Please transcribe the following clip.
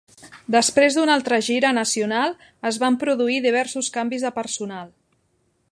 Després d'una altra gira nacional, es van produir diversos canvis de personal.